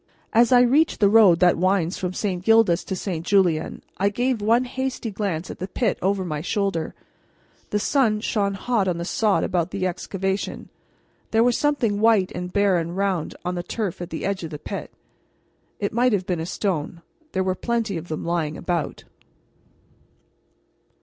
As I reached the road that winds from St. Gildas to St. Julien I gave one hasty glance at the pit over my shoulder. The sun shone hot on the sod about the excavation. There was something white and bare and round on the turf at the edge of the pit. It might have been a stone; there were plenty of them lying about.